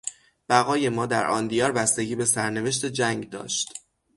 بقای ما در آن دیار بستگی به سرنوشت جنگ داشت.